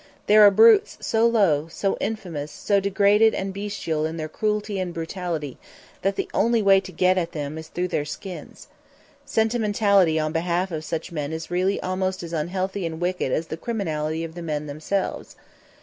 There are brutes so low, so infamous, so degraded and bestial in their cruelty and brutality, that the only way to get at them is through their skins. Sentimentality on behalf of such men is really almost as unhealthy and wicked as the criminality of the men themselves.